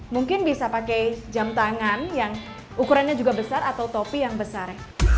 mungkin bisa pakai jam tangan yang ukurannya juga besar atau topi yang besar